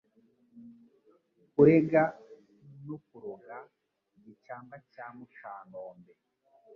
Kurega no kuroga Gicambwa cya Mucanombe,